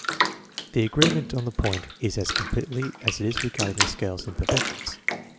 The agreement on this point is as complete as it is regarding the scale's imper fections.